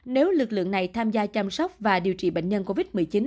nếu lực lượng này tham gia chăm sóc và điều trị bệnh nhân covid một mươi chín